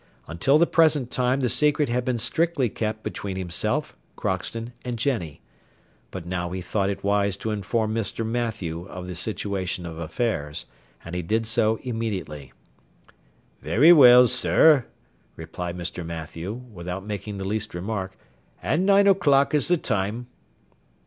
Until the present time the secret had been strictly kept between himself, Crockston, and Jenny; but now he thought it wise to inform Mr. Mathew of the situation of affairs, and he did so immediately. "Very well, sir," replied Mr. Mathew, without making the least remark, "and nine o'clock is the time?"